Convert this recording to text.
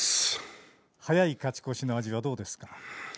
早い勝ち越し、どうですか。